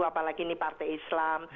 apalagi ini partai islam